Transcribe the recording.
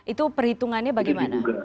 itu perhitungannya bagaimana